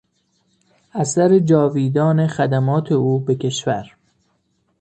اثر جاویدان خدمات او به کشور